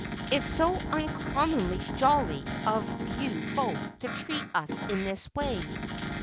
It's so uncommonly jolly of you both to treat us in this way."